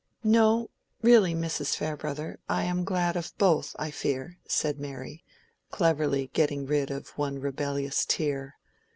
"No, really, Mrs. Farebrother, I am glad of both, I fear," said Mary, cleverly getting rid of one rebellious tear.